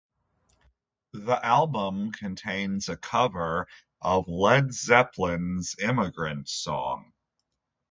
The album contains a cover of Led Zeppelin's Immigrant Song.